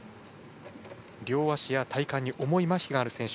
両足や体幹に重いまひがある選手